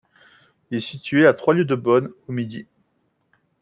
Il est situé à trois lieues de Beaune, au midi.